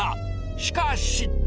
しかし！